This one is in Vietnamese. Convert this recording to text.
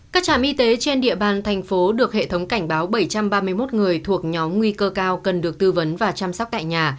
các trạm y tế trên địa bàn thành phố được hệ thống cảnh báo bảy trăm ba mươi một người thuộc nhóm nguy cơ cao cần được tư vấn và chăm sóc tại nhà